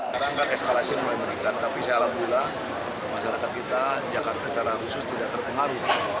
kita tidak akan eskalasi oleh mereka tapi saya alhamdulillah masyarakat kita jakarta secara khusus tidak terpengaruh